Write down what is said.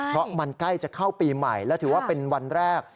เพราะมันใกล้จะเข้าปีใหม่และถือว่าเป็นวันแรก